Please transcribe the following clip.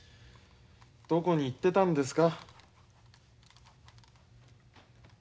どこに行ってたんですか？